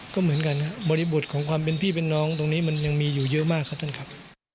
ก็เหมือนกันครับบริบทของความเป็นพี่เป็นน้องตรงนี้มันยังมีอยู่เยอะมากครับท่านครับ